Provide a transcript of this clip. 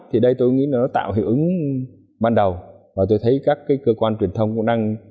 thì đây tôi nghĩ là nó tạo hiệu ứng ban đầu và tôi thấy các cơ quan truyền thông cũng đang